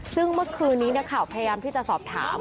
ซึ่งเมื่อคืนนี้นักข่าวพยายามที่จะสอบถาม